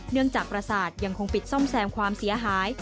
เนื่องจากประสาทยังคงปิดซ่อมแซมความเสียหาย